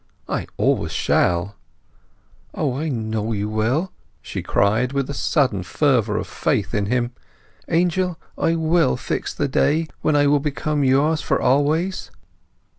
"I always shall." "O, I know you will!" she cried, with a sudden fervour of faith in him. "Angel, I will fix the day when I will become yours for always!"